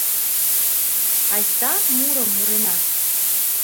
Айста мурым мурена!